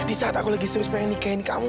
di saat aku lagi serius pengen nikahin kamu